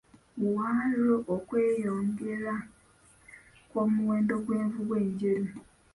Walwo okweyongera kw'omuwendo gw'envubu enjeru.